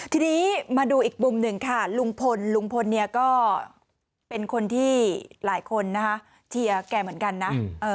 ทีนี้มาดูอีกมุมหนึ่งค่ะลุงพลลุงพลเนี่ยก็เป็นคนที่หลายคนนะคะเชียร์แกเหมือนกันนะ